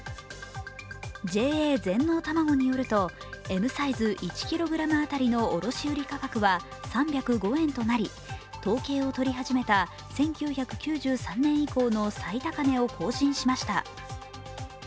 ＪＡ全農たまごによるとＭサイズ１ｋｇ当たりの卸売価格は３０５円となり統計を取り始めた１９９３年以降の最高値を更新しました。